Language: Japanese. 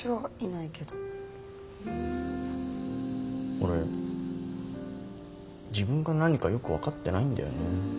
俺自分が何かよく分かってないんだよね。